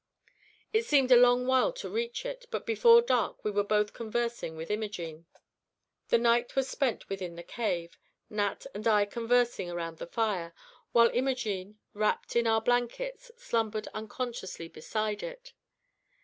It seemed a long while to reach it, but before dark we were both conversing with Imogene. The night was spent within the cave, Nat and I conversing around the fire, while Imogene, wrapped in our blankets, slumbered unconsciously beside it.